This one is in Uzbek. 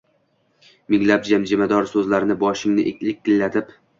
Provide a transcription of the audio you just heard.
Minglab jimjimador so‘zlarni boshingni likillatib